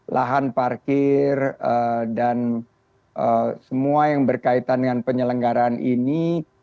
lahan parkir dan semua yang berkaitan dengan penyelenggaraan ini